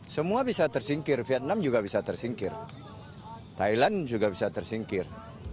semua bisa tersingkir vietnam juga bisa tersingkir thailand juga bisa tersingkir